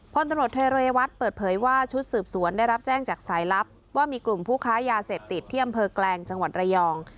พลตำรวจเทเรวัตเปิดเผยว่าชุดสืบสวนได้รับแจ้งจากสายลับว่ามีกลุ่มผู้ค้ายาเสพติดที่อำเภอแกลงจังหวัดระยอง